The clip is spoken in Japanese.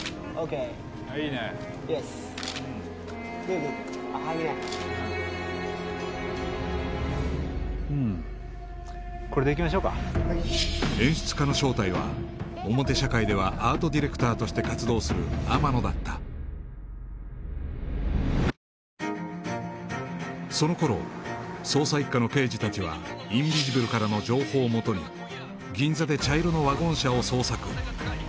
グーグーグーああいいねうんこれでいきましょうか演出家の正体は表社会ではアートディレクターとして活動する天野だったそのころ捜査一課の刑事達はインビジブルからの情報をもとに銀座で茶色のワゴン車を捜索